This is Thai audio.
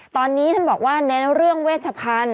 ตอนนี้ท่านบอกว่าเน้นเรื่องเวชพันธุ